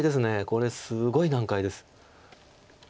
これすごい難解です。